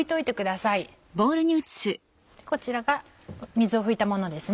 こちらが水を拭いたものです。